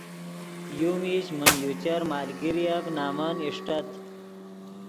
یو میش من یو چر مالگیریف نمن اݰٹت